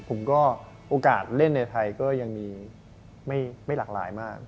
ผมก็โอกาสเล่นในไทยก็ยังมีไม่หลากหลายมาก